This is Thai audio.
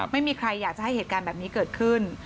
ไม่มีใครอยากจะให้เหตุการณ์แบบนี้เกิดขึ้น